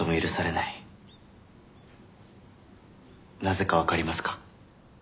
なぜかわかりますか？